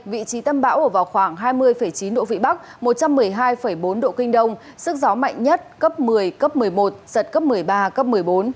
vị trí tâm bão ở vào khoảng hai mươi chín độ vĩ bắc một trăm một mươi hai bốn độ kinh đông sức gió mạnh nhất cấp một mươi cấp một mươi một giật cấp một mươi ba cấp một mươi bốn